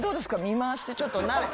見回してちょっと。